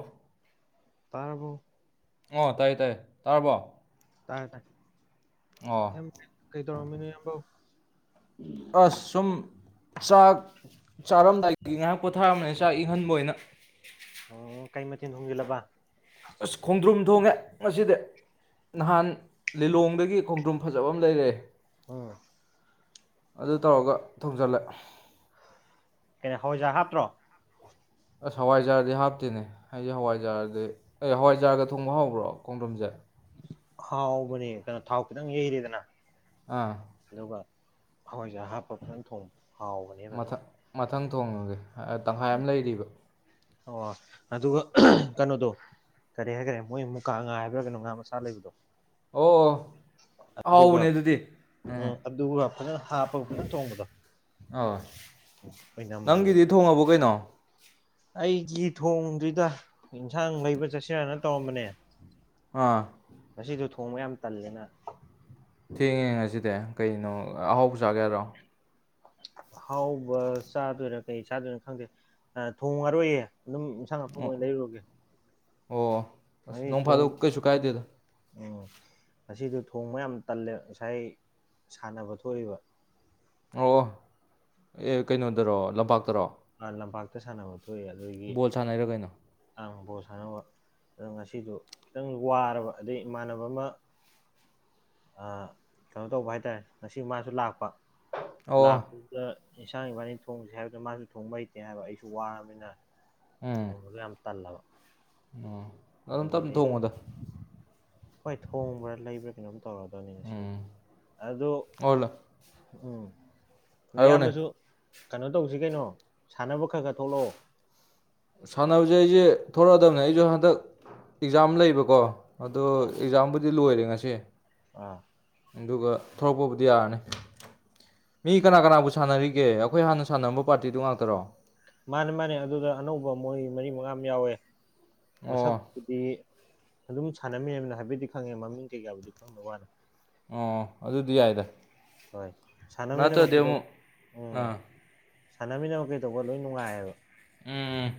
ꯑ [unintelligible] ꯇꯥꯔꯕꯣ ꯑꯣ ꯇꯥꯏꯌꯦ ꯇꯥꯏꯌꯦ ꯇꯥꯔꯕꯣ ꯇꯥꯔꯦ ꯇꯥꯔꯦ ꯑꯣ ꯏꯌꯥꯝꯕ ꯀꯩ ꯗꯧꯔꯝꯃꯤꯅꯣ ꯏꯌꯥꯝꯕꯧ ꯑꯁ ꯁꯨꯝ ꯆꯥꯛ ꯆꯥꯔꯝꯗꯥꯏꯒꯤ ꯉꯥꯏꯍꯥꯛ ꯄꯣꯊꯥꯔꯝꯕꯅꯦ ꯆꯥꯛ ꯏꯪꯍꯟꯕ ꯑꯣꯏꯅ ꯑꯣ ꯀꯩ ꯃꯊꯦꯜ ꯊꯣꯡꯖꯜꯂꯕ ꯑꯁ ꯈꯣꯡꯗ꯭ꯔꯨꯝ ꯊꯣꯡꯉꯦ ꯉꯁꯤꯗꯤ ꯅꯍꯥꯟ ꯂꯤꯂꯣꯡꯗꯒꯤ ꯈꯣꯡꯗ꯭ꯔꯨꯝ ꯐꯖꯕ ꯑꯃ ꯂꯩꯔꯛꯑꯦ ꯑꯝ ꯑꯗꯨ ꯇꯧꯔꯒ ꯊꯣꯡꯖꯤꯜꯂꯦ ꯀꯩꯅꯣ ꯍꯋꯥꯏꯖꯥꯔ ꯍꯥꯞꯇ꯭ꯔꯣ ꯑꯁ ꯍꯋꯥꯏꯖꯥꯔꯗꯤ ꯍꯥꯞꯇꯦꯅꯦ ꯑꯩꯗꯤ ꯍꯋꯥꯏꯖꯥꯔꯗꯤ ꯑꯩ ꯍꯋꯥꯏꯖꯥꯔꯒ ꯊꯣꯡꯕ ꯍꯥꯎꯕ꯭ꯔꯣ ꯈꯣꯡꯗ꯭ꯔꯨꯝꯖꯦ ꯍꯥꯎꯕꯅꯦ ꯀꯩꯅꯣ ꯊꯥꯎ ꯈꯤꯇꯪ ꯍꯩꯔꯦꯗꯅ ꯑꯥ ꯑꯗꯨꯒ ꯍꯋꯥꯏꯖꯥꯔ ꯍꯥꯞꯄ ꯐꯖꯅ ꯊꯣꯡꯕ ꯍꯥꯎꯕꯅꯦ ꯐꯖꯅ ꯃꯊꯪ ꯃꯊꯪ ꯊꯣꯡꯉꯒꯦ ꯇꯪꯈꯥꯏ ꯑꯃ ꯂꯩꯔꯤꯕ ꯑꯣ ꯑꯗꯨꯒ ꯀꯩꯅꯣꯗꯣ ꯀꯔꯤ ꯍꯥꯏꯒꯔꯦ ꯃꯣꯏ ꯃꯨꯀꯥ ꯉꯥ ꯍꯥꯏꯕ꯭ꯔꯥ ꯀꯩꯅꯣ ꯉꯥ ꯃꯆꯥ ꯂꯩꯕꯗꯣ ꯑꯣ ꯑꯣ ꯑꯗꯨꯒ ꯍꯥꯎꯕꯅꯦ ꯑꯗꯨꯗꯤ ꯑ ꯎꯝ ꯑꯗꯨꯒ ꯐꯖꯅ ꯍꯥꯞꯄꯒ ꯐꯖꯅ ꯊꯣꯡꯕꯗꯣ ꯑꯧ ꯑꯣꯏꯅꯝꯕꯅꯦꯕ ꯅꯪꯒꯤꯗꯤ ꯊꯣꯡꯉꯥꯕꯣ ꯀꯩꯅꯣ ꯑꯩꯒꯤ ꯊꯣꯡꯗ꯭ꯔꯤꯗ ꯌꯦꯟꯁꯥꯡ ꯂꯩꯕ ꯆꯠꯁꯤꯔꯥꯅ ꯇꯧꯔꯝꯕꯅꯦ ꯑꯥ ꯉꯁꯤꯗꯣ ꯊꯣꯡꯕ ꯌꯥꯝ ꯇꯜꯂꯦꯅ ꯊꯦꯡꯉꯦ ꯉꯁꯤꯗꯤ ꯀꯩꯅꯣ ꯑꯍꯥꯎꯕ ꯆꯥꯒꯦꯍꯥꯏꯔꯣ ꯑꯍꯥꯎꯕ ꯆꯥꯗꯣꯏꯔꯥ ꯀꯩ ꯆꯥꯗꯣꯏꯅꯣ ꯈꯪꯗꯦ ꯊꯣꯡꯉꯥꯔꯣꯏꯌꯦ ꯑꯗꯨꯝ ꯏꯟꯁꯥꯡ ꯑꯊꯣꯡꯕ ꯑꯣꯏꯅ ꯑꯣ ꯂꯩꯔꯨꯔꯒꯦ ꯑꯣ ꯑꯁ ꯉꯁꯤ ꯅꯣꯡ ꯊꯣꯡ ꯐꯥꯗꯣꯛ ꯀꯩꯁꯨ ꯀꯥꯏꯗꯦꯗꯥ ꯎꯝ ꯉꯥꯁꯤꯗꯣ ꯊꯣꯡꯕ ꯌꯥꯝ ꯇꯜꯂꯦ ꯉꯁꯥꯏ ꯁꯥꯟꯅꯕ ꯊꯣꯛ ꯎꯏꯕ ꯑꯣ ꯑꯦ ꯀꯩꯅꯣꯗꯥꯔꯣ ꯂꯝꯄꯥꯛꯇꯔꯣ ꯑ ꯂꯝꯄꯥꯛꯇ ꯁꯥꯟꯅꯕ ꯕꯣꯜ ꯁꯥꯟꯅꯩꯔꯣ ꯀꯩꯅꯣ ꯑꯥ ꯕꯣꯜ ꯁꯥꯟꯅꯔꯨꯕ ꯑꯗꯣ ꯉꯁꯤꯗꯨ ꯈꯤꯇꯪ ꯋꯥꯔꯕ ꯑꯗꯩ ꯏꯃꯥꯟꯅꯕ ꯑꯃ ꯑ ꯀꯩꯅꯣ ꯇꯧꯕ ꯍꯥꯏꯇꯥꯔꯦ ꯉꯁꯤ ꯃꯥꯁꯨ ꯂꯥꯛꯄ ꯑꯣ ꯂꯥꯛꯄꯗꯨꯗ ꯏꯟꯁꯥꯡ ꯏꯕꯥꯅꯤ ꯊꯣꯡꯁꯦ ꯍꯥꯏꯕꯗꯨꯗ ꯃꯥꯁꯨ ꯊꯣꯡꯕ ꯍꯩꯇꯦ ꯍꯥꯏꯕ ꯑꯩꯁꯨ ꯋꯥꯔꯃꯤꯅ ꯊꯣꯡꯕꯁꯨ ꯌꯥꯝ ꯇꯜꯂꯕ ꯑꯥ ꯑꯗꯨꯝ ꯑꯗꯨꯒꯤ ꯇꯞꯅ ꯂꯩ ꯊꯣꯡꯉꯨꯗ ꯍꯣꯏ ꯊꯣꯡꯕ꯭ꯔꯥ ꯂꯩꯕ꯭ꯔꯥ ꯀꯩꯅꯣꯝ ꯇꯧꯔꯗꯕꯅꯦ ꯉꯥꯁꯤꯕꯨꯗꯤ ꯎꯝ ꯑꯗꯣ ꯑꯣ ꯂ- ꯎꯝ ꯍꯥꯏꯔꯛꯑꯣꯅꯦ ꯏꯌꯥꯝꯕꯁꯨ ꯀꯩꯅꯣ ꯇꯧꯁꯤ ꯀꯩꯅꯣ ꯁꯥꯟꯅꯕ ꯈꯔ ꯈꯔ ꯊꯣꯛꯂꯛꯑꯣ ꯁꯥꯟꯅꯕꯁꯦ ꯑꯩꯁꯦ ꯊꯣꯛꯂꯛꯑꯗꯕꯅꯦ ꯑꯩꯁꯨ ꯍꯟꯗꯛ ꯑꯦꯛꯖꯥꯝ ꯂꯩꯕꯀꯣ ꯑꯗꯣ ꯑꯦꯛꯖꯥꯝꯕꯨꯗꯤ ꯂꯣꯏꯔꯦ ꯉꯁꯤ ꯑꯥ ꯑꯗꯨꯒ ꯊꯣꯔꯛꯄꯕꯨꯗꯤ ꯌꯥꯔꯅꯤ ꯃꯤ ꯀꯅꯥ ꯀꯅꯥꯕꯨ ꯁꯥꯟꯅꯔꯤꯒꯦ ꯑꯩꯈꯣꯏ ꯍꯥꯟꯅ ꯁꯥꯟꯅꯔꯝꯕ ꯄꯥꯔꯇꯤꯗꯨ ꯉꯥꯛꯇꯔꯣ ꯃꯥꯅꯦ ꯃꯥꯅꯦ ꯑꯗꯨꯗ ꯑꯅꯧꯕ ꯃꯣꯏ ꯃꯔꯤ ꯃꯉꯥ ꯑꯃ ꯌꯥꯎꯋꯦ ꯑꯣ ꯃꯥꯁꯛꯄꯨꯗꯤ ꯑꯗꯨꯝ ꯁꯥꯟꯅꯃꯤꯟꯅꯃꯤꯅ ꯍꯥꯏꯐꯦꯠꯇꯤ ꯈꯪꯉꯦ ꯃꯥꯃꯤꯡ ꯀꯩ ꯀꯥꯕꯨꯗꯤ ꯈꯪꯗꯥꯕꯩ ꯋꯥꯅꯦ ꯑꯣ ꯑꯗꯨꯗꯤ ꯌꯥꯏꯗ ꯍꯣꯏ ꯁꯥꯟꯅꯃꯤꯅꯕ ꯅꯠꯇ꯭ꯔꯗꯤ ꯈꯩꯗꯣ ꯑꯃꯨꯛ ꯎꯝ ꯑꯥ ꯁꯥꯟꯅꯃꯤꯟꯅꯕ ꯀꯩ ꯇꯧꯕ ꯂꯣꯏ ꯅꯨꯡꯉꯥꯏꯕ ꯎꯝ ꯎꯝ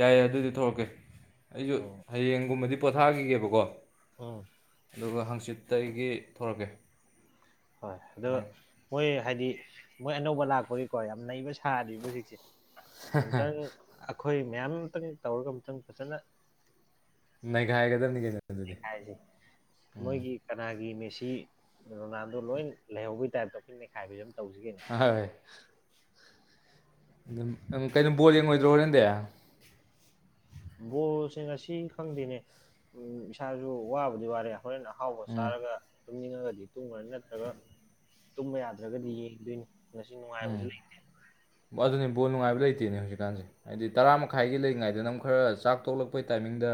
ꯌꯥꯏꯌꯦ ꯑꯗꯨꯗꯤ ꯊꯣꯛꯂꯛꯀꯦ ꯑꯩꯁꯨ ꯍꯥꯌꯦꯡꯒꯨꯝꯕꯗꯤ ꯄꯣꯊꯥꯈꯤꯒꯦꯕꯥꯀꯣ ꯑꯝ ꯑꯗꯨꯒ ꯍꯥꯡꯆꯤꯠꯇꯒꯤ ꯊꯣꯔꯛꯀꯦ ꯍꯣꯏ ꯑꯗꯣ ꯃꯣꯏ ꯍꯥꯏꯗꯤ ꯃꯣꯏ ꯑꯅꯧꯕ ꯂꯥꯛꯄꯒꯤꯀꯣ ꯌꯥꯝ ꯅꯩꯕ ꯁꯥꯔꯤꯕ ꯍꯧꯖꯤꯛꯁꯦ ꯑꯝꯇꯪ ꯑꯩꯈꯣꯏ ꯃꯌꯥꯝ ꯑꯝꯇꯪ ꯇꯧꯔꯒ ꯑꯝꯇꯪ ꯐꯖꯅ ꯅꯩꯒꯥꯏꯒꯗꯃꯦ ꯀꯩꯅꯣ ꯑꯗꯨꯗꯤ ꯅꯩꯈꯥꯏꯁꯦ ꯎꯝ ꯃꯣꯏꯒꯤ ꯀꯅꯥꯒꯤ ꯃꯦꯁꯤ ꯁꯤ ꯔꯣꯅꯥꯜꯗꯣ ꯂꯣꯏ ꯂꯩꯍꯧꯕꯒꯤ ꯇꯥꯏꯞꯇ ꯑꯩꯈꯣꯏ ꯅꯩꯈꯥꯏꯕꯤꯔꯝ ꯍꯣ ꯍꯣꯏ ꯑꯗꯨꯝ ꯀꯩꯅꯣ ꯕꯣꯜ ꯌꯦꯡꯉꯣꯏꯗ꯭ꯔꯣ ꯍꯣꯔꯦꯟꯗꯤ ꯕꯣꯜꯁꯦ ꯉꯁꯤ ꯈꯪꯗꯦꯅꯦ ꯎꯝ ꯏꯁꯥꯁꯨ ꯋꯥꯕꯨꯗꯤ ꯋꯥꯔꯦ ꯍꯣꯔꯦꯟ ꯑꯍꯥꯎꯕ ꯎꯝ ꯆꯥꯔꯒ ꯇꯨꯝꯅꯤꯡꯉꯥꯒꯗꯤ ꯇꯨꯝꯒ꯭ꯔꯥꯅꯤ ꯅꯠꯇ꯭ꯔꯒ ꯇꯨꯝꯕ ꯌꯥꯗ꯭ꯔꯒꯗꯤ ꯌꯦꯡꯗꯣꯏꯅꯦ ꯉꯁꯤ ꯎꯝ ꯅꯨꯡꯉꯥꯏꯕꯁꯨ ꯂꯩꯇꯦ ꯑꯗꯨꯅꯦ ꯕꯣꯜ ꯅꯨꯡꯉꯥꯏꯕ ꯂꯩꯇꯦꯅꯦ ꯍꯧꯖꯤꯛꯀꯥꯟꯁꯦ ꯍꯥꯏꯗꯤ ꯇꯔꯥ ꯃꯈꯥꯏꯒꯤ ꯂꯩꯔꯤꯉꯩꯗꯅꯃꯨꯛ ꯈꯔ ꯆꯥꯛ ꯇꯣꯛꯂꯛꯄꯩ ꯇꯥꯏꯃꯤꯡꯗ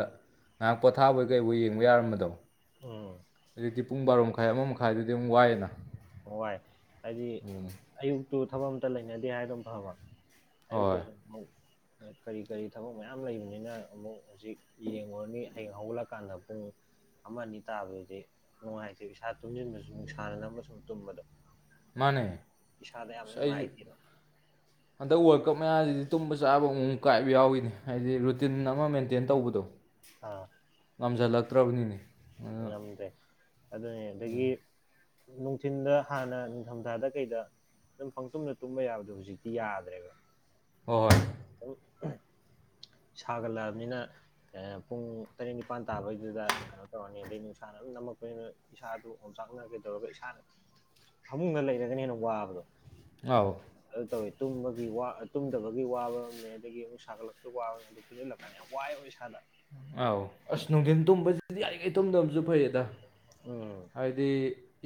ꯉꯥꯏꯍꯥꯛ ꯄꯣꯊꯥꯕꯣꯏ ꯀꯩꯕꯣꯏ ꯌꯦꯡꯕ ꯌꯥꯔꯝꯕꯗꯣ ꯎꯝ ꯍꯧꯖꯤꯛꯇꯤ ꯄꯨꯡ ꯕꯥꯔꯣ ꯃꯈꯥꯏ ꯑꯃ ꯃꯈꯥꯏꯗꯨꯗꯤ ꯑꯃꯨꯛ ꯋꯥꯏꯌꯦꯗꯅ ꯍꯣꯏ ꯍꯥꯏꯗꯤ ꯑꯌꯨꯛꯇꯨ ꯊꯕꯛ ꯑꯃꯇꯥ ꯂꯩꯅꯗꯦ ꯍꯥꯏꯗꯤ ꯑꯃꯨꯛ ꯐꯥꯕ ꯍꯣꯏ ꯑꯌꯨꯛꯇꯁꯨ ꯍꯣꯏ ꯀꯥꯔꯤ ꯀꯥꯔꯤ ꯊꯕꯛ ꯃꯌꯥꯝ ꯂꯩꯕꯅꯤꯅ ꯑꯃꯨꯛ ꯍꯧꯖꯤꯛ ꯌꯦꯡꯉꯨꯔꯅꯤ ꯍꯌꯦꯡ ꯍꯧꯒꯠꯂꯛꯀꯥꯟꯗ ꯄꯨꯡ ꯑꯃ ꯑꯅꯤ ꯇꯥꯕꯗꯨꯗꯤ ꯅꯨꯡꯉꯥꯏꯇꯦꯕ ꯏꯁꯥ ꯇꯨꯝꯁꯤꯟꯕꯁꯨ ꯅꯨꯡꯁꯥꯅ ꯅꯝꯃꯥꯒ ꯁꯨꯝ ꯇꯨꯝꯕꯗꯣ ꯃꯥꯅꯦ ꯏꯁꯥꯗ ꯌꯥꯝ ꯑꯩꯁꯨ ꯅꯨꯡꯉꯥꯏꯇꯦꯕ ꯍꯟꯗꯛ ꯋꯥꯔꯜ ꯀꯞ ꯃꯌꯥꯁꯤꯗꯤ ꯇꯨꯝꯕ ꯆꯥꯕ ꯑꯃꯨꯛ ꯃꯨꯛ ꯀꯥꯏꯕ ꯌꯥꯎꯏꯅꯦ ꯍꯥꯏꯗꯤ ꯔꯨꯇꯤꯟ ꯑꯃ ꯃꯦꯟꯇꯦꯟ ꯇꯧꯕꯗꯣ ꯑꯥ ꯍꯟꯖꯜꯂꯛꯇ꯭ꯔꯕꯅꯤꯅꯦ ꯉꯝꯗꯦ ꯑꯗꯨꯅꯦ ꯑꯗꯒꯤ ꯅꯨꯡꯊꯤꯟꯗ ꯍꯥꯟꯅ ꯅꯤꯡꯊꯝꯊꯥꯗ ꯀꯩꯗ ꯑꯗꯨꯝ ꯄꯪꯇꯨꯝꯗ ꯇꯨꯝꯕ ꯌꯥꯕꯗꯣ ꯍꯧꯖꯤꯛꯇꯤ ꯌꯥꯗ꯭ꯔꯦꯕ ꯍꯣ ꯍꯣꯏ ꯎ [unintelligible] ꯁꯥꯒꯠꯂꯛꯑꯕꯅꯤꯅ ꯄꯨꯡ ꯇꯥꯔꯦꯠ ꯅꯤꯄꯥꯟ ꯇꯥꯕꯩꯗꯨꯗ ꯀꯩꯅꯣ ꯇꯧꯔꯅꯤ ꯑꯗꯩ ꯅꯨꯡꯁꯥꯅ ꯅꯝꯃꯛꯄꯅꯤꯅ ꯏꯁꯥꯗꯨ ꯑꯣꯝꯆꯥꯛꯅꯒꯦ ꯇꯧꯔꯒ ꯏꯁꯥꯅ ꯐꯥꯃꯨꯡꯗ ꯂꯩꯔꯒꯅ ꯍꯦꯟꯅ ꯋꯥꯕꯗꯣ ꯑꯥꯎ ꯇꯧꯋꯦ ꯇꯨꯝꯕꯒꯤ ꯇꯨꯝꯗꯕꯒꯤ ꯋꯥꯕ ꯑꯃꯅꯦ ꯑꯗꯒꯤ ꯑꯃꯨꯛ ꯁꯥꯒꯠꯂꯛꯄ ꯋꯥ ꯑꯗꯨ ꯄꯨꯟꯁꯤꯜꯂꯛꯀꯥꯟꯗ ꯌꯥꯝ ꯋꯥꯏ ꯑꯣꯏ ꯏꯁꯅ ꯑꯥꯎ ꯑꯁꯅꯅꯨꯡꯊꯟ ꯇꯨꯝꯕꯁꯤꯗꯤ ꯑꯦ ꯇꯨꯝꯗꯝꯁꯨ ꯐꯩꯌꯦꯗ ꯎꯝ ꯍꯥꯏꯗꯤ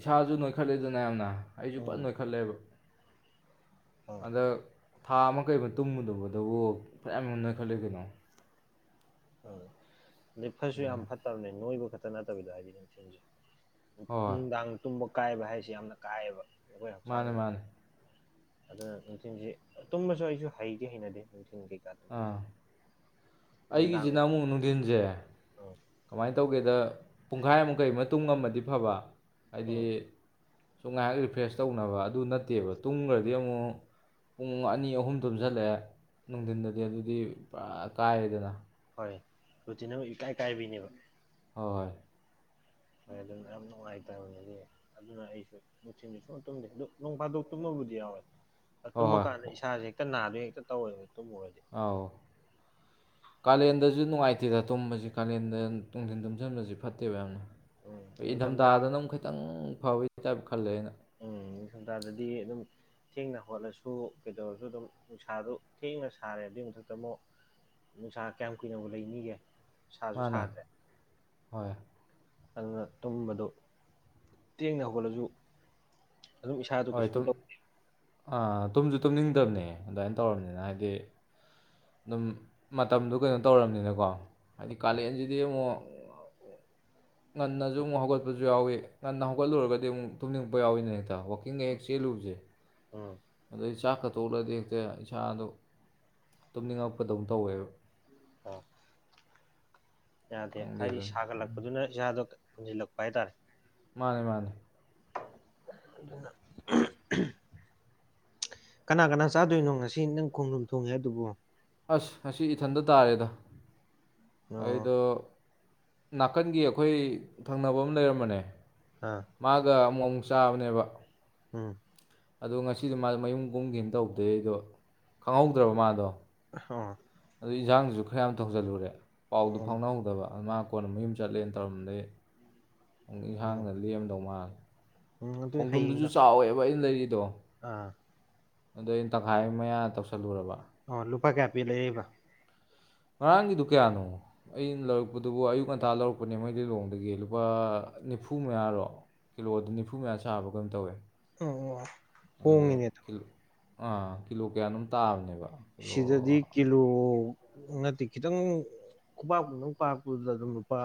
ꯏꯁꯥꯁꯨ ꯅꯣꯏꯈꯠꯂꯦꯗꯅ ꯌꯥꯝꯅ ꯑꯩꯁꯨ ꯄꯠ ꯎꯝ ꯅꯣꯏ ꯈꯜꯂꯦꯕ ꯑꯥ ꯑꯗ ꯊꯥ ꯑꯃ ꯀꯩ ꯃꯇꯨꯡꯨꯝꯃꯨꯗꯕꯗꯕꯨ ꯐꯌꯥꯝ ꯌꯅ ꯈꯠꯂ ꯀꯩꯅꯣ ꯑ ꯑꯗꯩ ꯐꯠꯁꯨ ꯌꯥꯝ ꯐꯠꯇꯕꯅꯦ ꯅꯣꯏꯕ ꯈꯛꯇ ꯅꯠꯇꯕꯤꯗꯣ ꯍꯥꯏꯗꯤ ꯌꯥꯝ ꯊꯖꯩ ꯍꯣꯏ ꯍꯣꯏ ꯅꯨꯡꯗꯥꯡ ꯇꯨꯝꯕ ꯀꯥꯏꯕ ꯍꯥꯏꯁꯦ ꯌꯥꯝꯅ ꯀꯥꯏꯑꯕ ꯑꯩꯈꯣꯏ ꯃꯥꯅꯦ ꯍꯛꯆꯥꯡꯗꯗꯤ ꯃꯥꯅꯦ ꯑꯗꯨꯅ ꯅꯨꯡꯊꯤꯜꯁꯤ ꯇꯨꯝꯕꯁꯨ ꯑꯩꯁꯨ ꯍꯩꯒ ꯍꯩꯅꯗꯦ ꯅꯨꯡꯊ ꯆꯤꯡꯕꯤ ꯀꯥꯗꯃꯦ ꯑꯩꯒꯤ ꯏꯆꯤꯟ ꯏꯅꯥꯃꯨꯛ ꯅꯨꯡꯊꯤꯟꯁꯦ ꯀꯃꯥꯏꯅ ꯇꯧꯒꯦꯗ ꯄꯨꯡꯈꯥꯏ ꯑꯃꯨꯛꯈꯩ ꯃꯇꯨꯡꯃꯗꯤ ꯐꯕ ꯍꯥꯏꯗꯤ ꯎꯝ ꯁꯨꯝ ꯉꯥꯏꯍꯥꯛ ꯔꯤꯐ꯭ꯔꯦꯁ ꯇꯧꯅꯕ ꯑꯗꯨ ꯅꯠꯇꯦꯕ ꯇꯨꯡꯈ꯭ꯔꯗꯤ ꯑꯃꯨꯛ ꯄꯨꯡ ꯑꯅꯤ ꯑꯍꯨꯝ ꯇꯣꯝꯖꯜꯂꯛꯑꯦ ꯅꯨꯡꯊꯤꯟꯗꯗꯤ ꯑꯗꯨꯗꯤ ꯄꯨꯔꯥ ꯀꯥꯏꯑꯦꯗꯅ ꯔꯇꯤꯅ ꯏꯀꯥꯏ ꯀꯥꯏꯕꯤꯅꯦꯕ ꯍꯣꯏ ꯍꯣꯏ ꯍ ꯑꯗꯨꯅ ꯌꯥꯝ ꯅꯨꯡꯉꯥꯏꯇꯕꯅꯤꯗꯤ ꯑꯗꯨꯅ ꯑꯩꯁꯨ ꯅꯨꯡꯊꯤꯟꯕꯁꯨ ꯇꯨꯝꯗꯦ ꯑꯗꯨ ꯅꯣꯡ ꯐꯥꯗꯣꯛ ꯇꯨꯝꯃꯕꯨꯗꯤ ꯌꯥꯎꯔꯦ ꯍꯣꯏ ꯇꯨꯝꯕ ꯍꯣꯏ ꯀꯥꯟꯗ ꯏꯁꯥꯁꯦ ꯍꯦꯛꯇ ꯅꯥꯗ ꯍꯦꯛꯇ ꯇꯧꯦꯕꯅꯤ ꯑꯥꯎ ꯀꯥꯂꯦꯟꯗꯁꯨ ꯅꯨꯡꯉꯥꯏ ꯑꯇꯤꯗ ꯇꯨꯝꯕꯁꯤ ꯀꯥꯂꯦꯟꯗ ꯇꯣꯡꯊꯤꯟ ꯇꯨꯝꯁꯤꯟꯕꯁꯤ ꯐꯠꯇꯦꯕ ꯌꯥꯝꯅ ꯎꯝ ꯅꯤꯡꯊꯝꯊꯥ ꯏꯪꯊꯝꯊꯥꯗꯅ ꯑꯃꯨꯛ ꯈꯤꯇꯪ ꯐꯕꯒꯤ ꯇꯥꯏꯞ ꯈꯜꯂꯦ ꯑꯩꯅ ꯎꯝ ꯅꯤꯡ ꯁꯝꯊꯗꯗꯤ ꯑꯗꯨꯝ ꯊꯦꯡꯅ ꯍꯣꯠꯂꯁꯨ ꯀꯩꯗꯧꯔꯁꯨ ꯑꯗꯨꯝ ꯅꯨꯡꯁꯥꯗꯨ ꯊꯦꯡꯅ ꯁꯥꯔꯦ ꯑꯗꯨꯏ ꯃꯊꯛꯇ ꯑꯃꯨꯛ ꯅꯨꯡꯁꯥ ꯀꯌꯥꯝ ꯀꯨꯏꯅꯅꯕ ꯂꯩ ꯃꯤꯒꯦ ꯃꯥꯅꯦ ꯍꯣꯏ ꯑꯗꯨꯅ ꯇꯨꯝꯕꯗꯣ ꯇꯦꯡꯅ ꯍꯧꯒꯠꯂꯁꯨ ꯑꯗꯨꯝ ꯏꯁꯥꯗ ꯍꯣꯏ ꯀꯩꯁꯨꯝ ꯇꯨꯝ ꯇꯧꯋ ꯇꯨꯝꯁꯨ ꯇꯨꯝꯅꯤꯡꯗꯕꯅꯦ ꯑꯗꯨꯃꯥꯏꯅ ꯇꯧꯔꯕꯔꯕꯅꯤꯅ ꯍꯥꯏꯗꯤ ꯑꯗꯨꯝ ꯃꯇꯝꯗꯨ ꯀꯩꯅꯣ ꯇꯧꯔꯕꯅꯤꯅꯀꯣ ꯍꯥꯏꯗꯤ ꯀꯥꯂꯦꯟꯁꯤꯗꯤ ꯑꯃꯨꯛ ꯉꯟꯅꯁꯨ ꯑꯃꯨꯛ ꯍꯧꯒꯠꯄꯁꯨ ꯌꯥꯎꯏꯤ ꯉꯟꯅ ꯍꯧꯒꯠꯂꯨꯔꯒꯗꯤ ꯑꯃꯨꯛ ꯊꯨꯝꯅꯤꯡꯉꯛꯄ ꯌꯥꯎꯏꯅꯦ ꯍꯦꯛꯇ ꯋꯥꯈꯜ ꯀꯤꯡ ꯍꯦꯛ ꯆꯦꯜꯂꯨꯕꯁꯦ ꯎꯝ ꯑꯗꯨꯗꯩ ꯑꯩ ꯆꯥꯛ ꯈꯠꯇꯣꯛꯂꯗꯤ ꯍꯦꯛꯇ ꯏꯁꯥꯗꯣ ꯇꯨꯝꯅꯤꯡꯉꯛꯄꯗꯧꯝ ꯇꯧꯋꯦꯕ ꯑ ꯌꯥꯗꯦ ꯈꯪꯗꯦ ꯍꯥꯏꯗꯤ ꯑꯗꯨꯅꯤ ꯁꯥꯒꯠꯂꯛꯄꯗꯨꯅ ꯏꯁꯥꯗꯣ ꯍꯨꯟꯖꯤꯜꯂꯛꯄ ꯍꯥꯏꯇꯥꯔꯦ ꯃꯥꯅꯦ ꯃꯥꯅꯦ ꯑꯗꯨ ꯀꯅꯥ ꯀꯅꯥ ꯆꯥꯗꯣꯏꯅꯣ ꯉꯁꯤ ꯅꯪ ꯈꯣꯡꯂꯣ ꯊꯣꯡꯉꯦ ꯑꯗꯨꯕꯨ ꯑꯁ ꯑꯁꯤ ꯏꯊꯟꯗ ꯇꯥꯔꯦꯗ ꯑꯣ ꯑꯩꯗꯣ ꯅꯥꯀꯟꯒꯤ ꯑꯩꯈꯣꯏ ꯊꯪꯅꯕ ꯑꯃ ꯂꯩꯔꯝꯕꯅꯦ ꯑꯥ ꯃꯥꯒ ꯑꯃꯨꯛ ꯆꯥꯕꯅꯦꯕ ꯎꯝ ꯑꯗꯣ ꯉꯁꯤꯗꯤ ꯃꯥ ꯃꯌꯨꯝ ꯀꯨꯝꯒꯅ ꯇꯧꯗꯦ ꯑꯩꯗꯣ ꯈꯪꯍꯧꯗ꯭ꯔꯕ ꯃꯥꯗꯣ ꯑꯣ ꯑꯗꯨ ꯏꯟꯖꯥꯡꯗꯨꯁꯨ ꯈꯔ ꯌꯥꯝ ꯊꯧꯖꯤꯜꯂꯨꯔꯦ ꯄꯥꯎꯗꯨ ꯑꯣ ꯐꯥꯎꯅꯍꯧꯗꯕ ꯃꯥ ꯑꯀꯣꯟ ꯃꯌꯨꯝ ꯆꯠꯂꯦꯅ ꯇꯧꯔꯝꯗꯩ ꯑꯃꯨ ꯎꯝ ꯏꯟꯁꯥꯡꯅ ꯂꯦꯝꯗꯧ ꯃꯥꯜꯂꯦ ꯎꯝ ꯑꯗꯨ ꯈꯣꯡꯖ꯭ꯔꯣꯝꯗꯨꯁꯨ ꯍꯌꯦꯡꯒ ꯆꯥꯎꯋꯦꯕ ꯑꯩꯅ ꯂꯩꯔꯤꯗꯣ ꯑꯥ ꯑꯗꯣ ꯑꯩꯅ ꯇꯪꯈꯥꯏ ꯃꯌꯥ ꯇꯧꯁꯜꯂꯨꯔꯕ ꯑꯣ ꯂꯨꯄꯥ ꯀꯌꯥ ꯄꯤ ꯂꯩꯕ ꯉꯔꯥꯡꯒꯤꯗꯨ ꯀꯌꯥꯅꯣ ꯑꯩꯅ ꯂꯧꯔꯛꯄꯗꯨꯕꯨ ꯑꯌꯨꯛ ꯉꯟꯇꯥ ꯂꯧꯔꯛꯄꯅꯦ ꯃꯩ ꯂꯤꯂꯣꯡꯗꯒꯤ ꯂꯨꯄꯥ ꯅꯤꯐꯨ ꯃꯌꯥꯔꯣ ꯀꯤꯂꯣꯗ ꯅꯤꯐꯨ ꯃꯌꯥ ꯁꯥꯕ ꯀꯩꯅꯝꯣ ꯇꯧꯋꯦ ꯎ ꯑꯗꯣ ꯍꯅꯦꯠꯇ ꯀꯤꯂꯣ ꯑꯥ ꯀꯤꯂꯣ ꯀꯌꯥꯅꯣꯝ ꯇꯥꯕꯅꯦꯕ ꯀꯤꯂꯣ ꯁꯤꯗꯗꯤ ꯀꯂꯨ ꯅꯠꯇꯦ ꯈꯤꯇꯪ ꯈꯨꯄꯥꯛꯥꯛꯪ ꯄꯥꯔꯛꯄꯗꯨꯗ ꯑꯗꯨꯝ ꯂꯨꯄꯥ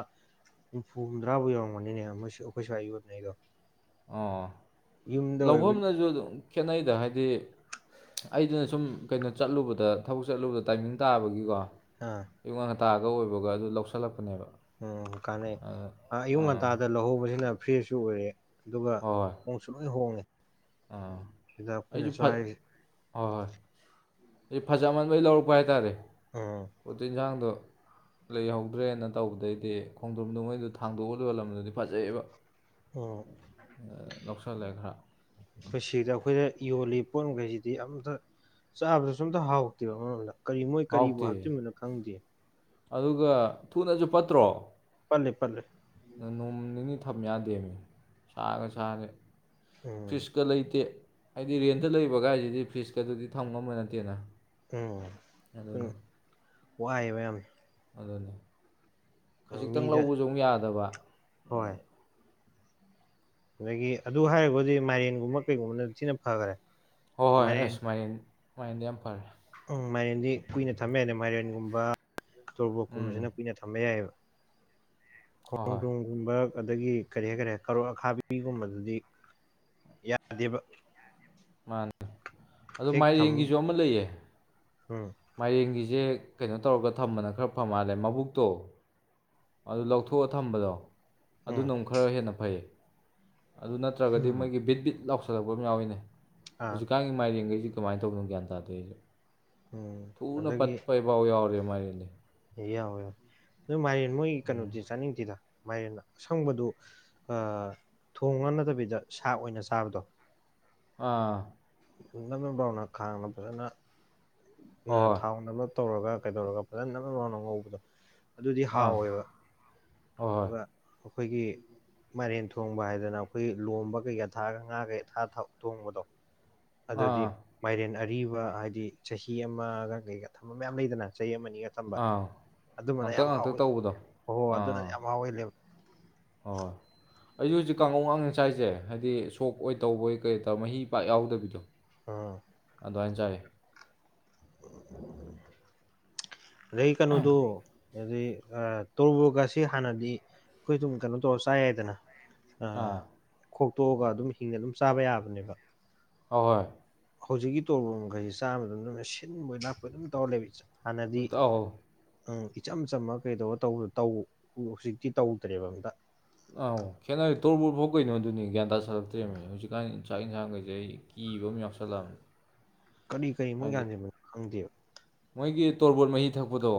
ꯍꯨꯝꯐꯨ ꯍꯨꯝꯗ꯭ꯔꯥꯐꯥꯎ ꯌꯧꯔꯝꯒꯅꯤꯅꯦ ꯃ ꯑꯩꯈꯣꯏ ꯁꯏ ꯌꯨꯕꯅꯦ ꯑꯩꯗꯣ ꯑꯣ ꯑꯣꯏꯕ ꯂꯧꯐꯝꯅꯁꯨ ꯑꯗꯨꯝ ꯈꯦꯠꯅꯩꯗ ꯍꯥꯏꯗꯤ ꯑꯩꯗꯨꯅ ꯁꯨꯝ ꯀꯩꯅꯣ ꯆꯠꯂꯨꯕꯗ ꯊꯕꯛ ꯆꯠꯂꯨꯕꯗ ꯇꯥꯏꯃꯤꯡ ꯇꯥꯕꯒꯤꯀꯣ ꯑꯥ ꯇꯇꯥꯒ ꯑꯣꯏꯕꯒ ꯑꯗꯨ ꯂꯧꯁꯜꯂꯛꯄꯅꯦꯕ ꯎꯝ ꯀꯥꯟꯅꯩ ꯑꯗ ꯑꯌꯨꯛ ꯑꯥ ꯉꯟꯇꯥꯗ ꯂꯧꯍꯧꯕꯁꯤꯅ ꯐ꯭ꯔꯦꯁꯁꯨ ꯑꯣꯏꯔꯦ ꯑꯗꯨꯒ ꯍꯣꯏ ꯍꯣꯏ ꯅꯣꯡꯁꯨ ꯂꯣꯏ ꯍꯣꯡꯉꯦ ꯑꯥ ꯁꯤꯗ ꯑꯩꯁꯨ ꯑꯩꯈꯣꯏꯅꯁꯨ ꯐꯠ ꯍꯥꯏꯁ ꯍꯣꯏ ꯍꯣꯏ ꯑꯩ ꯐꯖꯃꯟꯕꯩ ꯂꯧꯔꯛꯄ ꯍꯥꯏꯇꯥꯔꯦ ꯎꯝ ꯆꯤꯟꯖꯥꯡꯗꯣ ꯂꯩꯍꯧꯗ꯭ꯔꯦꯅ ꯇꯧꯕꯗꯩꯗꯤ ꯈꯣꯡꯗꯣꯝꯗꯣ ꯃꯣꯏꯗꯣ ꯊꯥꯡꯗꯣꯛꯎꯗꯕ ꯂꯝꯗꯨꯗꯤ ꯐꯖꯩꯑꯕ ꯎꯝ ꯂꯣꯛꯁꯥ ꯂꯩ ꯈ꯭ꯔ ꯑꯩꯈꯣꯏ ꯁꯤꯗ ꯑꯩꯈꯣꯏꯗ ꯌꯣꯜꯂꯤꯕ ꯄꯣꯠ ꯃꯈꯩꯁꯤꯗꯤ ꯑꯝꯇ ꯆꯥꯕꯗꯁꯨ ꯑꯇ ꯍꯥꯎꯇꯦꯕ ꯑꯃꯣꯝꯗ ꯀꯔꯤ ꯃꯣꯏ ꯀꯔꯤꯕꯨ ꯍꯥꯎꯇꯦ ꯍꯥꯞꯆꯤꯟꯕꯅꯣ ꯈꯪꯗꯦ ꯑꯗꯨꯒ ꯊꯨꯅꯁꯨ ꯄꯠꯇ꯭ꯔꯣ ꯄꯜꯂꯦ ꯄꯜꯂꯦ ꯅꯣꯡ ꯅꯤꯅꯤ ꯊꯝ ꯌꯥꯗꯦꯃꯤ ꯁꯥꯒ ꯁꯥꯔꯦ ꯎꯝ ꯐꯤꯁꯀ ꯂꯩꯇꯦ ꯍꯥꯏꯗꯤ ꯔꯦꯟꯇ ꯂꯩꯕꯒꯥꯏꯁꯤꯗꯤ ꯐꯤꯁꯀꯗꯨꯗꯤ ꯊꯝ ꯉꯝꯕ ꯅꯠꯇꯦꯅ ꯎꯝ ꯁꯨꯝ ꯑꯗꯨꯅꯤ ꯋꯥꯏꯑꯕ ꯌꯥꯝꯅ ꯑꯗꯨꯅꯦ ꯈꯖꯤꯛꯇꯪ ꯃꯤꯗ ꯂꯧꯕꯁꯨ ꯑꯃꯨꯛ ꯌꯥꯗꯕ ꯍꯣꯏ ꯑꯗꯒꯤ ꯑꯗꯨ ꯍꯥꯏꯒꯗꯤ ꯃꯥꯏꯔꯦꯟꯒꯨꯝꯕ ꯀꯩꯒꯨꯝꯕꯅ ꯊꯤꯅ ꯐꯈꯔꯦ ꯍꯣꯏ ꯍꯣꯏ ꯍꯣꯏ ꯑꯩ ꯃꯥꯏꯔꯦꯟ ꯁꯨꯃꯥꯏ ꯁꯨꯃꯥꯏꯅꯗꯤ ꯌꯥꯝ ꯐꯔꯦ ꯎꯝ ꯃꯥꯏꯔꯦꯟꯗꯤ ꯀꯨꯏꯅ ꯊꯝꯕ ꯌꯥꯏꯗ ꯃꯥꯏꯔꯦꯟꯒꯨꯝꯕ ꯎꯝ ꯇꯣꯔꯕꯣꯛꯀꯨꯝꯕꯁꯤꯅ ꯀꯨꯏꯅ ꯊꯝꯕ ꯌꯥꯏꯑꯕ ꯍꯣꯏ ꯈꯣꯡ ꯍꯣꯏ ꯊꯣꯡꯒꯨꯝꯕ ꯑꯗꯒꯤ ꯀꯔꯤ ꯍꯥꯏꯇꯥꯔꯦ ꯀꯔꯣꯛ ꯑꯈꯥꯕꯤꯒꯨꯝꯕꯗꯨꯗꯤ ꯌꯥꯗꯦꯕ ꯃꯥꯅꯦ ꯑꯣ ꯃꯥꯏꯔꯦꯟꯒꯤꯁꯨ ꯑꯃ ꯂꯩꯌꯦ ꯍꯝ ꯃꯔꯦꯡꯒꯤꯁꯦ ꯀꯩꯅꯣ ꯇꯧꯔꯒ ꯊꯝꯕꯅ ꯈꯔ ꯐꯝ ꯃꯥꯜꯂꯦ ꯃꯕꯨꯛꯇꯣ ꯑꯗꯨ ꯂꯧꯊꯣꯛꯑ ꯊꯝꯕꯗꯣ ꯎꯝ ꯑꯗꯨꯅꯛ ꯈꯔ ꯍꯦꯟꯅ ꯐꯩꯌꯦ ꯑꯗꯨ ꯅꯠꯇ꯭ꯔꯒꯗꯤ ꯎꯝ ꯃꯣꯏꯒꯤ ꯕꯤꯠ ꯕꯤꯠ ꯂꯥꯎꯁꯜꯂꯛꯄ ꯑꯃ ꯌꯥꯎꯏꯤꯅꯦ ꯑꯥ ꯍꯧꯖꯤꯛꯀꯥꯟꯒꯤ ꯃꯥꯏꯔꯦꯡꯈꯩꯁꯤ ꯀꯃꯥꯏꯅ ꯇꯧꯗꯅꯣ ꯒ꯭ꯌꯥꯟ ꯇꯥꯗꯦ ꯑꯩꯁꯨ ꯎꯝ ꯊꯨꯅ ꯑꯗꯒꯤ ꯄꯠꯄꯩꯐꯥꯎ ꯌꯥꯎꯔꯦ ꯃꯥꯒꯤꯅꯦ ꯑꯦ ꯌꯥꯎꯋꯦ ꯌꯥꯎꯋꯦ ꯑꯗꯨ ꯃꯦꯟ ꯃꯣꯏꯒꯤ ꯎꯝ ꯀꯩꯅꯣꯗꯤ ꯆꯥꯅꯤꯡꯗꯦꯗ ꯃꯥꯏꯅ ꯑꯁꯪꯕꯗꯨ ꯑ ꯊꯣꯡ ꯉꯥꯡꯅꯗꯕꯤꯗ ꯁꯥꯥꯛ ꯑꯣꯏꯅ ꯆꯥꯕꯗꯣ ꯑꯥ ꯅꯞꯅꯞ ꯂꯥꯎꯅ ꯈꯥꯡꯅ ꯐꯖꯅ ꯍꯣꯏ ꯍꯣꯏ ꯊꯥꯎꯅꯕ ꯇꯧꯔꯒ ꯀꯩꯗꯧꯔꯒ ꯐꯖꯅ ꯉ ꯉꯥꯎꯅ ꯉꯧꯕꯗꯣ ꯑꯗꯨꯗꯤ ꯑꯥ ꯍꯥꯎꯋꯦꯕ ꯍꯣꯏ ꯍꯣꯏ ꯑꯗꯨꯒ ꯑꯈꯣꯏꯒꯤ ꯃꯥꯏꯔꯦꯟ ꯊꯣꯡꯕ ꯍꯥꯏꯗꯅ ꯑꯩꯈꯣꯏ ꯂꯣꯝꯕ ꯀꯩꯀꯥ ꯊꯥꯒ ꯉꯥ ꯀꯩꯥ ꯊꯣꯡꯕꯗꯣ ꯑꯥ ꯑꯗꯨꯗꯤ ꯑꯥ ꯃꯥꯏꯔꯦꯟ ꯑꯔꯤꯕ ꯍꯥꯏꯗꯤ ꯆꯍꯤ ꯑꯃꯒ ꯀꯩꯒ ꯊꯝꯕ ꯃꯌꯥꯝ ꯂꯩꯗꯅ ꯆꯍꯤ ꯑꯃꯅꯤ ꯊꯝꯕ ꯑꯥ ꯑꯗꯨꯃꯅ ꯉꯥꯡꯇꯛ ꯌꯥꯝ ꯉꯥꯡꯇꯛ ꯍꯥꯎꯋꯤ ꯇꯧꯕꯗꯣ ꯍ ꯍꯣꯏ ꯑꯗꯨꯅ ꯌꯥꯝ ꯍꯥꯎ ꯍꯦꯂꯦꯕ ꯑꯣ ꯑꯩꯁꯨ ꯍꯧꯖꯤꯛ ꯀꯥꯡꯉꯧ ꯉꯥꯛꯉꯦ ꯆꯥꯏꯁꯦ ꯍꯥꯏꯗꯤ ꯁꯣꯛ ꯑꯣꯏ ꯇꯧꯕꯣꯏ ꯀꯩ ꯇꯧꯔ ꯃꯍꯤ ꯄꯥꯛ ꯌꯥꯎꯗꯕꯤꯗꯣ ꯑ ꯑꯗꯨꯋꯥꯏꯟ ꯆꯥꯌꯦ ꯂꯩ ꯀꯩꯅꯣꯗꯣ ꯑꯗꯩꯩ ꯇꯣꯔꯨꯕꯣꯠꯀ ꯁꯤ ꯍꯥꯟꯅꯗꯤ ꯑꯩꯈꯣꯏ ꯑꯗꯨꯝ ꯀꯩꯅꯣ ꯇꯧꯔ ꯆꯥꯏ ꯌꯥꯏꯗꯅ ꯑ ꯑꯥ ꯈꯣꯛꯇꯣꯛꯑꯒ ꯑꯗꯨꯝ ꯍꯤꯡꯅ ꯑꯗꯨꯝ ꯆꯥꯕ ꯌꯥꯕꯅꯦꯕ ꯑꯍꯣꯏ ꯍꯧꯖꯤꯛꯀꯤ ꯇꯣꯔꯕꯣꯝꯈꯩꯁꯤ ꯆꯥꯕꯗ ꯑꯗꯨꯝꯅ ꯁꯤꯟꯕꯣꯏ ꯂꯥꯛꯄ ꯑꯗꯨꯝ ꯇꯧꯔ ꯂꯩꯕ ꯏ [unintelligible] ꯎꯝ ꯏꯆꯝ ꯆꯝꯝꯕ ꯀꯩꯗꯧꯑ ꯇꯧ ꯇꯧ ꯇꯧ ꯍꯧꯖꯤꯛꯇꯤ ꯇꯧꯗ꯭ꯔꯦꯕ ꯍꯨꯏꯀꯥꯟ ꯑꯥꯎ ꯈꯦꯠꯅꯔꯦ ꯇꯣꯔꯕ ꯐꯥꯎ ꯀꯩꯅꯣ ꯑꯗꯨꯅꯤ ꯒ꯭ꯌꯥꯟ ꯇꯥ ꯁꯥꯂꯛꯇ꯭ꯔ‌ꯦꯃꯤ ꯍꯧꯖꯤꯛꯀꯥꯟꯒꯤ ꯆꯥꯛ ꯏꯟꯁꯥꯡꯈꯩꯁꯦ ꯑꯩ ꯀꯤ ꯏꯕ ꯌꯥꯎꯁꯜꯂꯛ ꯑꯝꯅꯤ ꯀꯔꯤ ꯀꯔꯤ ꯃꯣꯏ ꯌꯥꯟꯁꯤꯕꯟ ꯈꯪꯗꯦꯕ ꯑꯩꯒꯤ ꯇꯣꯔꯕꯣꯠ ꯃꯍꯤ ꯊꯛꯄꯗꯣ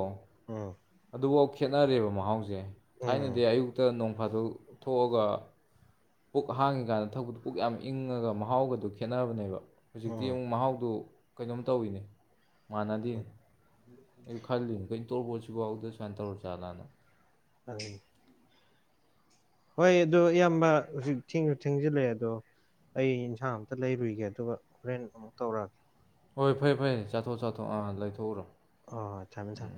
ꯑꯣ ꯑꯗꯨꯕꯥꯎ ꯈꯦꯠꯅꯔꯦꯕ ꯃꯍꯥꯎꯁꯦ ꯎꯝ ꯊꯥꯏꯅꯗꯤ ꯑꯌꯨꯛꯇ ꯅꯣꯡ ꯐꯥꯗ‌ꯣꯛ ꯊꯣꯛꯑꯒ ꯄꯨꯛ ꯍꯥꯡꯉꯤꯀꯥꯟꯗ ꯊꯛꯄꯗꯨ ꯄꯨꯛ ꯌꯥꯝ ꯏꯪꯉꯒ ꯃꯍꯥꯎꯒꯗꯨ ꯈꯦꯠꯅꯕꯅꯦꯕ ꯍꯧꯖꯤꯛꯇꯤ ꯎꯝ ꯑꯃꯨꯛ ꯃꯍꯥꯎꯗꯨ ꯀꯩꯅꯣꯝ ꯇꯧꯏꯤꯅꯦ ꯃꯥꯟꯅꯗ‌ꯦ ꯎꯝ ꯑꯩ ꯈꯜꯂꯤꯝ ꯀꯩꯏꯟ ꯇꯣꯔꯕ‌ꯣꯟ ꯁꯤꯐꯥꯎꯗ ꯁꯨꯃꯥꯏꯅ ꯇꯧꯔꯖꯥꯠꯂꯥꯅ ꯑꯗꯨꯅꯤ ꯍꯣꯏ ꯑꯗꯨ ꯏꯌꯥꯝꯕ ꯍꯧꯖꯤꯛ ꯊꯦꯡꯁꯨ ꯊꯦꯡꯖꯤꯜꯂꯛꯑꯦ ꯑꯗꯣ ꯑꯩ ꯏꯟꯁꯥꯡ ꯑꯝꯇ ꯂꯩꯔꯨꯏꯒꯦ ꯑꯗꯨꯒ ꯍꯣꯔꯦꯟ ꯑꯃꯨꯛ ꯇꯧꯔꯛꯑꯒꯦ ꯍꯣꯏ ꯐꯩ ꯐꯩ ꯆꯥꯊꯣꯛ ꯆꯥꯊꯣꯛ ꯑꯥ ꯂꯩꯊꯣꯛꯎꯔꯣ ꯍꯣꯏ ꯍꯣꯏ ꯊꯝꯃꯦ ꯊꯝꯃꯦ ꯎꯝ